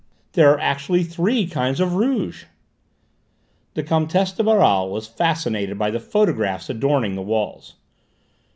There are actually three kinds of rouge!" The Comtesse de Baral was fascinated by the photographs adorning the walls.